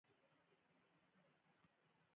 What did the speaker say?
تعلیم نجونو ته د زکات اهمیت ور زده کوي.